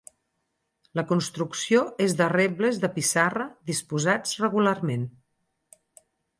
La construcció és de rebles de pissarra disposats regularment.